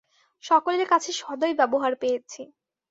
সকলের কাছে সদয় ব্যবহার পেয়েছি।